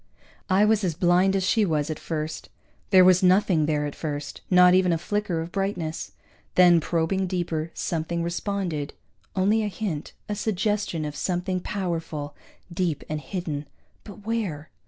I was as blind as she was, at first. There was nothing there, at first, not even a flicker of brightness. Then, probing deeper, something responded, only a hint, a suggestion of something powerful, deep and hidden but where?